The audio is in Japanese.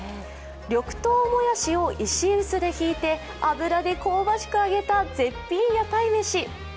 緑豆もやしを石臼でひいて油で香ばしく揚げた絶品屋台メシ。